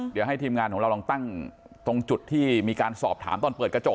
เดี๋ยวให้ทีมงานของเราลองตั้งตรงจุดที่มีการสอบถามตอนเปิดกระจก